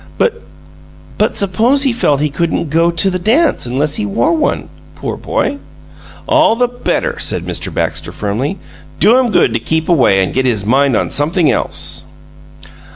"But but suppose he felt he couldn't go to the dance unless he wore one, poor boy " "All the better," said Mr. Baxter, firmly. "Do him good to keep away and get his mind on something else."